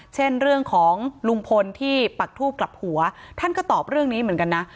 เช่นเรื่องของลุงพลที่ปักทูบกลับหัวท่านก็ตอบเรื่องนี้เหมือนกันนะ